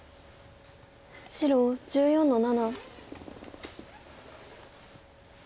白１４の七。